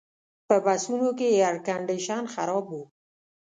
په بسونو کې ایرکنډیشن خراب و.